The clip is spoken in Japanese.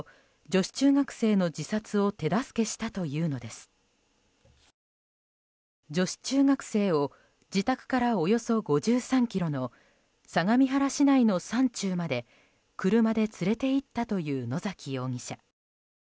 女子中学生を自宅からおよそ５３ｋｍの相模原市内の山中まで車で連れて行ったという野崎容疑者。